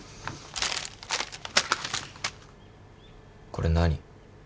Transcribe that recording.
これ何？